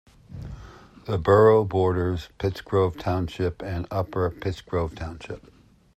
The borough borders Pittsgrove Township and Upper Pittsgrove Township.